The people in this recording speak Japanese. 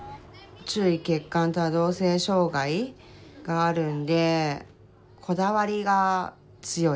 注意欠陥多動性障害があるんでこだわりが強い。